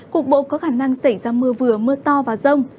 cục bộ có khả năng xảy ra mưa vừa mưa to và rông